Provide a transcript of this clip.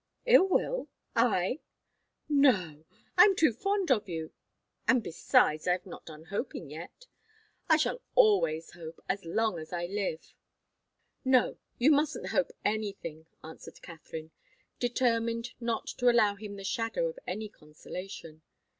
"Ill will? I? No! I'm too fond of you and besides, I've not done hoping yet. I shall always hope, as long as I live." "No you mustn't hope anything," answered Katharine, determined not to allow him the shadow of any consolation.